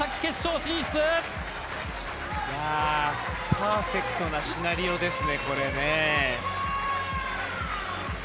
パーフェクトなシナリオですねこれね。